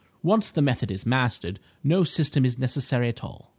Once the method is mastered, no system is necessary at all."